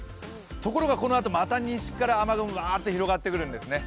ところがこのあと、また西から雨雲がばーっと広がってくるんですね。